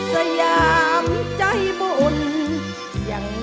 สยามใจบุญยังยิ่งเสมอ